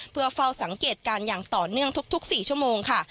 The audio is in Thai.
เพื่อเฝ้าสังเกตการณ์อย่างต่อเนื่องทุก๔ชั่วโมงค่ะ